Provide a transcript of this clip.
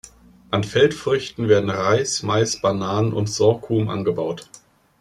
An Feldfrüchten werden Reis, Mais, Bananen und Sorghum angebaut.